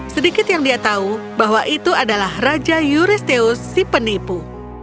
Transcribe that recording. sedikit yang dia tahu bahwa itu adalah raja juristeus si penipu